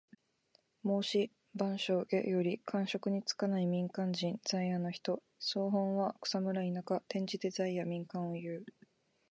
『孟子』「万章・下」より。官職に就かない民間人。在野の人。「草莽」は草むら・田舎。転じて在野・民間をいう。